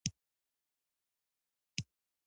په اډه کښې د چارسدې ګاډي ته وخېژه